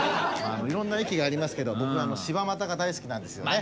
いろんな駅がありますけど僕は柴又が大好きなんですよね。